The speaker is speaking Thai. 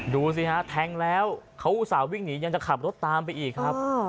ดูสิฮะแทงแล้วเขาอุตส่าห์วิ่งหนียังจะขับรถตามไปอีกครับ